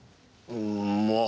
うんまあ